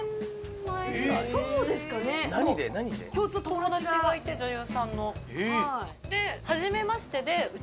友達がいて女優さんので。